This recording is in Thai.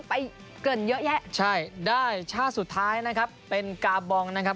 เกินเยอะแยะใช่ได้ชาติสุดท้ายนะครับเป็นกาบองนะครับ